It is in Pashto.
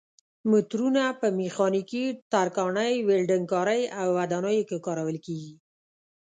مترونه په میخانیکي، ترکاڼۍ، ولډنګ کارۍ او ودانیو کې کارول کېږي.